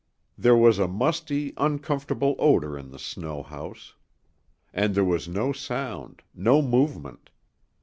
There was a musty, uncomfortable odor in the snow house. And there was no sound, no movement.